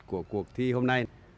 của cuộc thi hôm nay